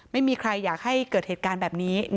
ไม่มีใครอยากให้เกิดเหตุการณ์แบบนี้